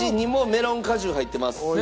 メロン果汁入ってる。